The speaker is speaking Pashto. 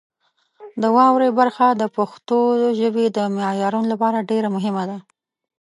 د واورئ برخه د پښتو ژبې د معیارونو لپاره ډېره مهمه ده.